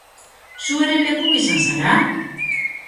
Zu ere lekuko izan zara?